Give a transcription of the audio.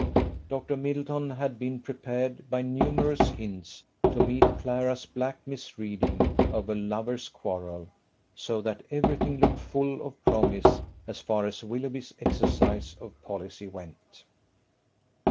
Dr. Middleton had been prepared by numerous hints to meet Clara's black misreading of a lovers' quarrel, so that everything looked full of promise as far as Willoughby's exercise of policy went.